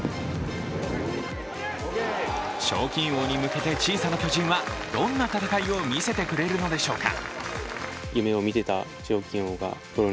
賞金王に向けて小さな巨人はどんな戦いを見せてくれるのでしょうか。